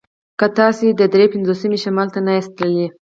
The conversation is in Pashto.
که تاسې د دري پنځوسمې شمال ته نه یاست تللي